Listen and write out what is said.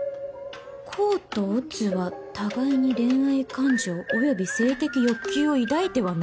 「甲と乙は互いに恋愛感情及び性的欲求を抱いてはならない」！？